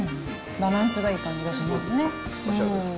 バランスがいい感じがしますね。